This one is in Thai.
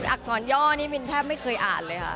อักษรย่อนี่มินแทบไม่เคยอ่านเลยค่ะ